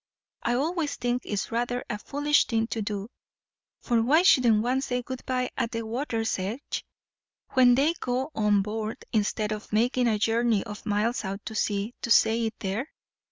I always think it's rather a foolish thing to do, for why shouldn't one say good bye at the water's edge, when they go on board, instead of making a journey of miles out to sea to say it there?